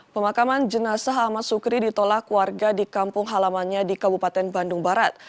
pemakaman jenazah ahmad sukri ditolak warga di kampung halamannya di kabupaten bandung barat